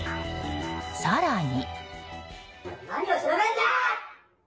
更に。